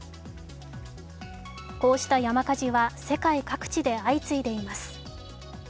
こうした山火事は世界各地で相次いでいます。